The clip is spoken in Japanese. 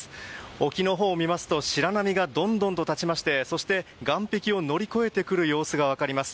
沖のほうを見ますと白波がどんどんと立ちましてそして、岸壁を乗り越えてくる様子が分かります。